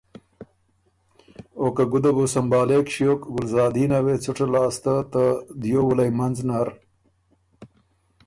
او که ګُده بُو سمبهالېک ݭیوک ګلزادینه وې څُټه لاسته ته دیو وُلئ منځ نر